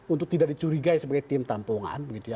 untuk tidak dicurigai sebagai tim tampungan gitu ya